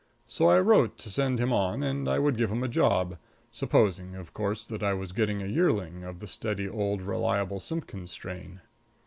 So I wrote to send him on and I would give him a job, supposing, of course, that I was getting a yearling of the steady, old, reliable Simpkins strain.